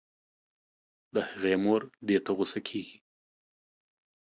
د هغې مور دې ته غو سه کيږي